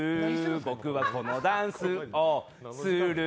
僕はこのダンスをする。